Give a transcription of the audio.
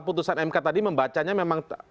putusan mk tadi membacanya memang